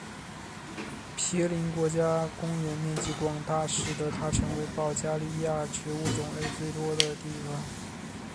皮林国家公园面积广大使得它成为保加利亚植物种类最多的地方。